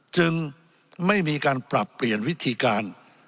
จึงไม่มีการปรับเปลี่ยนวิธีการ